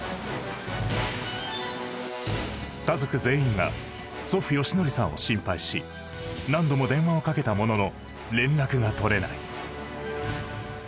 家族全員が祖父芳徳さんを心配し何度も電話をかけたものの連絡が取れない。